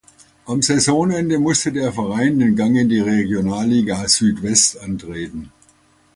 Am Saisonende musste der Verein den Gang in die Regionalliga Südwest antreten.